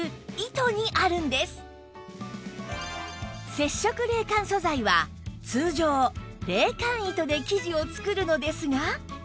接触冷感素材は通常冷感糸で生地を作るのですが